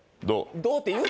「どう？」って言うた